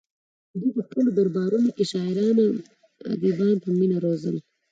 دوی په خپلو دربارونو کې شاعران او ادیبان په مینه روزل